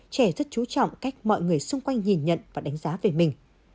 trẻ rất chú trọng cách mọi người xung quanh nhìn nhận và đánh giá về mình